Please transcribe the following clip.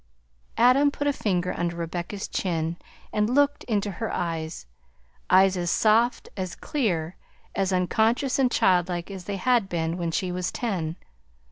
Adam put a finger under Rebecca's chin and looked into her eyes; eyes as soft, as clear, as unconscious, and childlike as they had been when she was ten.